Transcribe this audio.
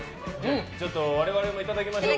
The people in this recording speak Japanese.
我々もいただきましょう。